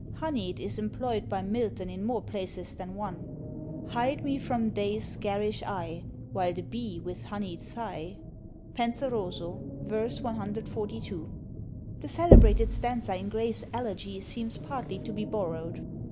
Honied is employed by Milton in more places than one. Hide me from day's garish eye While the bee with HONIED thigh Penseroso, v. 142. The celebrated stanza in Gray's Elegy seems partly to be borrowed.